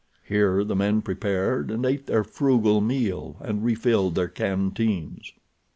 Here the men prepared and ate their frugal meal, and refilled their canteens.